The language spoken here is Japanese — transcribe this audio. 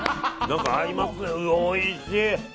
おいしい。